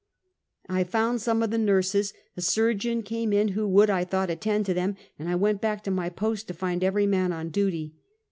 I found some of the nurses ; a surgeon came in who would, I thought, attend to them, and I went back to my post to find every man on duty.